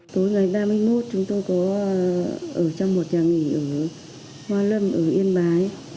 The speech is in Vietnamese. tối ngày ba mươi một chúng tôi có ở trong một nhà nghỉ ở hoa lâm ở yên bái